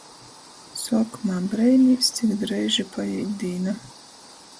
Suokumā breinīs, cik dreiži paīt dīna.